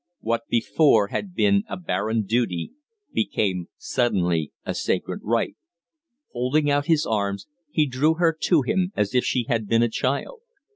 What before had been a barren duty became suddenly a sacred right. Holding out his arms, he drew her to him as if she had been a child.